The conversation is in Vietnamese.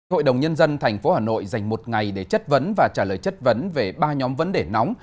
hội đồng nhân dân tp hà nội dành một ngày để chất vấn và trả lời chất vấn về ba nhóm vấn đề nóng